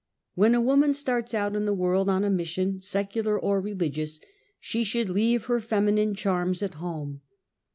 When a woman starts out in the world on a mission, secular or reli gious, she should leave her feminine charms at home.